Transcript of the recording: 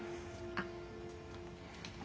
あっ。